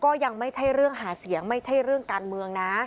ยังไม่ใช่เรื่องหาเสียงไม่ใช่เรื่องการเมืองนะ